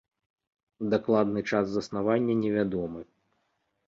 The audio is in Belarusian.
Дакладны час заснавання не вядомы.